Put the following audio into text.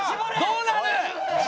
どうなる？